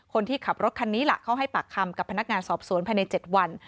คนที่ขับรถคันนี้ล่ะเขาให้ปากคำกับพนักงานสอบสวนภายใน๗วัน